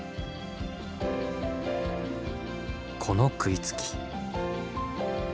この食いつき。